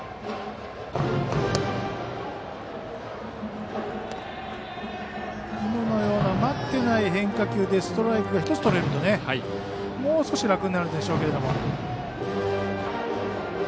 今のような待ってない変化球でストライクが１つとれるともう少し楽になるんでしょうけど。